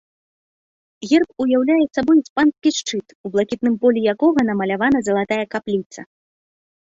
Герб уяўляе сабой іспанскі шчыт, у блакітным полі якога намалявана залатая капліца.